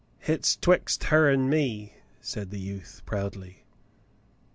'^" "Hit's 'twixt her an' me," said the youth proudly.